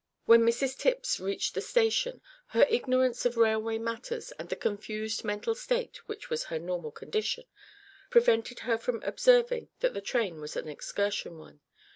When Mrs Tipps reached the station, her ignorance of railway matters, and the confused mental state which was her normal condition, prevented her from observing that the train was an excursion one.